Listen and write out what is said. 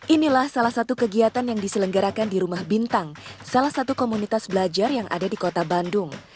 inilah salah satu kegiatan yang diselenggarakan di rumah bintang salah satu komunitas belajar yang ada di kota bandung